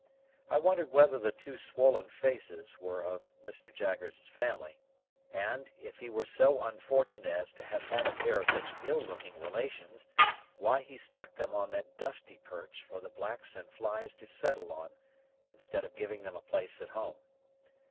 I wondered whether the two swollen faces were of Mr. Jaggers's family, and, if he were so unfortunate as to have had a pair of such ill looking relations, why he stuck them on that dusty perch for the blacks and flies to settle on, instead of giving them a place at home.